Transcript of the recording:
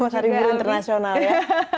hari buruh internasional ya